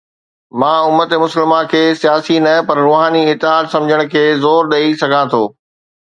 مان امت مسلمه کي سياسي نه پر روحاني اتحاد سمجهڻ تي زور ڏئي سگهان ٿو.